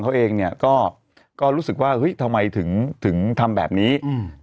เขาเองเนี่ยก็ก็รู้สึกว่าเฮ้ยทำไมถึงถึงทำแบบนี้อืม